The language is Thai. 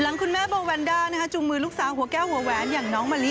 คุณแม่โบวันด้าจูงมือลูกสาวหัวแก้วหัวแหวนอย่างน้องมะลิ